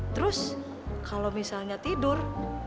terus kalau misalnya tidur